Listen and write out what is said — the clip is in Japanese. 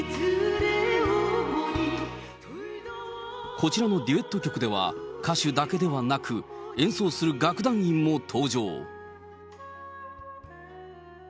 こちらのデュエット曲では、歌手だけではなく、演奏する楽団員も登場。